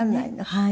はい。